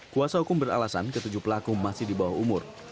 kuasa hukum beralasan ketujuh pelaku masih di bawah umur